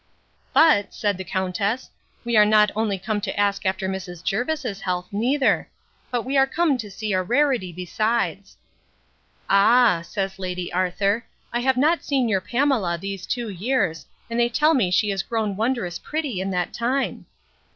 But, said the countess, we are not only come to ask after Mrs. Jervis's health neither; but we are come to see a rarity besides. Ah, says Lady Arthur, I have not seen your Pamela these two years, and they tell me she is grown wondrous pretty in that time.